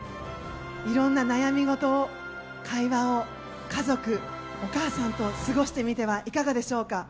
いろんな悩み事を会話を家族、お母さんと過ごしてみてはいかがでしょうか？